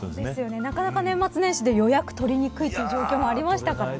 なかなか年末年始で予約が取りにくいという状況がありましたからね。